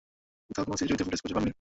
কোথাও কোন CCTV footage খুঁজে পাইনি।